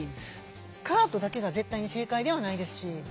スカートだけが絶対に正解ではないですし。